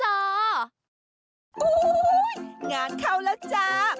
อุ๊ยงานเขาแล้วจ้า